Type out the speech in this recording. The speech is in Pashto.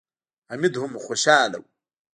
حميد هم خوشاله و.